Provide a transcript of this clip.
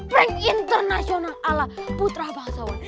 prank internasional ala putra bahasawan